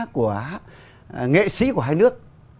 của nghệ sĩ của hai nước